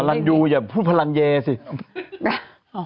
พาลันยูอย่าพูดพารานเยห่ะ